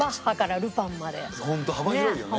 ホント幅広いよね。